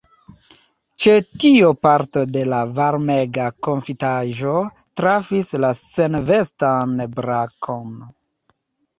Ĉe tio parto de la varmega konfitaĵo trafis la senvestan brakon.